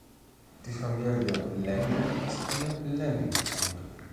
Die „Familie Lemming“ ist eine Lemming-Familie.